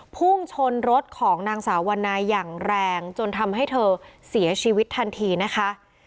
พุ่งชนรถของนางสาววันนาอย่างแรงจนทำให้เธอเสียชีวิตทันทีนะคะ